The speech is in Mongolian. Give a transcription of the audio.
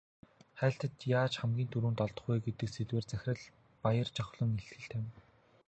Хайлтад яаж хамгийн түрүүнд олдох вэ гэдэг сэдвээр захирал Баяржавхлан илтгэл тавина.